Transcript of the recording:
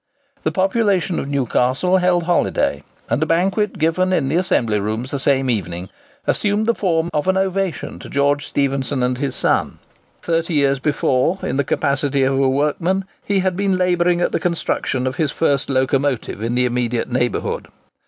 The population of Newcastle held holiday; and a banquet given in the Assembly Rooms the same evening assumed the form of an ovation to George Stephenson and his son. Thirty years before, in the capacity of a workman, he had been labouring at the construction of his first locomotive in the immediate neighbourhood.